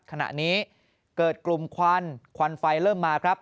ขณะนี้เกิดกลุ่มควันควันไฟเริ่มมาครับ